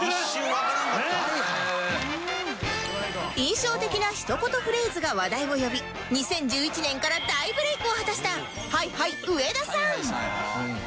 印象的な一言フレーズが話題を呼び２０１１年から大ブレイクを果たした Ｈｉ−Ｈｉ 上田さん